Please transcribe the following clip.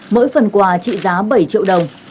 mỗi phần quà trị giá bảy triệu đồng